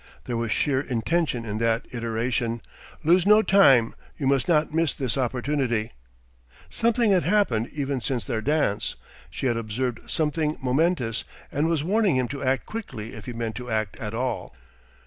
There was sheer intention in that iteration: "... lose no time ... you must not miss this opportunity." Something had happened even since their dance; she had observed something momentous, and was warning him to act quickly if he meant to act at all.